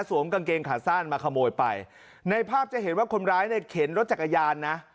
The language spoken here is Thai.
กางเกงขาสั้นมาขโมยไปในภาพจะเห็นว่าคนร้ายเนี่ยเข็นรถจักรยานนะ